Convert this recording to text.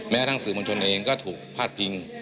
แม้ทั้งสื่อมชนเองก็ถูกพลาดพิง